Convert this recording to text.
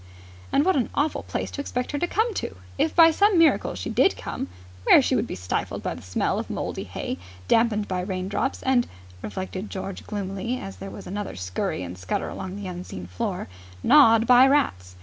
And what an awful place to expect her to come to, if by some miracle she did come where she would be stifled by the smell of mouldy hay, damped by raindrops and reflected George gloomily as there was another scurry and scutter along the unseen floor gnawed by rats.